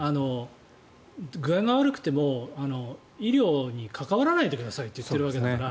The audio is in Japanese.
具合が悪くても医療に関わらないでくださいと言ってるわけだから。